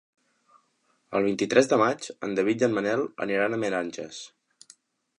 El vint-i-tres de maig en David i en Manel aniran a Meranges.